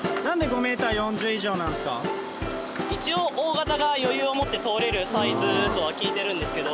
一応大型が余裕を持って通れるサイズとは聞いてるんですけど。